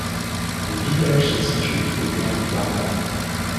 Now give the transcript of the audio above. Le village se situe au cœur du Barrois.